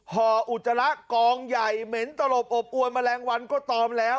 ห่ออุจจาระกองใหญ่เหม็นตลบอบอวนแมลงวันก็ตอมแล้ว